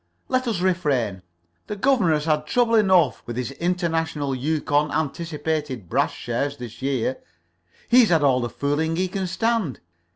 Let us refrain. The governor has had trouble enough with his International Yukon Anticipated Brass shares this year. He's had all the fooling he can stand.